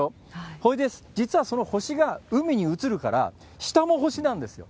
ほいで、実はその星が海に映るから、下も星なんですよ。